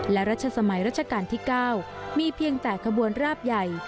และรัชสมัยรัชกาลที่๙มีเพียงแต่ขบวนราบใหญ่